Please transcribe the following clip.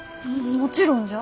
もちろんじゃ。